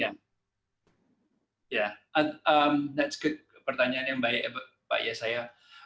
ya that's good pertanyaan yang baik pak yesaya